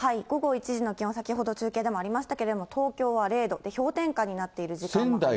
午後１時の気温、先ほど中継でもありましたけれども、東京は０度、氷点下になっている時間もあります。